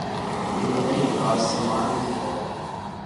یہی نہیں، آج سماج بھی زندہ ہے۔